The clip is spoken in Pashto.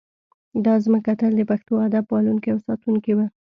دا ځمکه تل د پښتو ادب پالونکې او ساتونکې وه